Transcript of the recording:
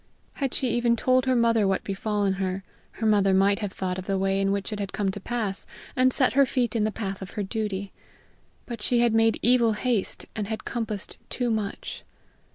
Had she even told her mother what befallen her, her mother might have thought of the way in which it had come to pass, and set her feet in the path of her duty! But she had made evil haste, and had compassed too much.